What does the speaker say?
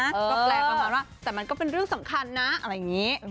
ก็แปลประมาณว่าแต่มันก็เป็นเรื่องสำคัญนะอะไรอย่างนี้